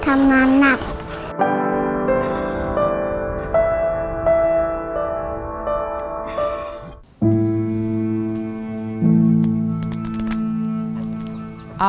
ออกออกมานานด้วยนะครับ